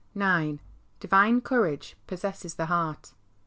IX. Divine courage possesses the heart.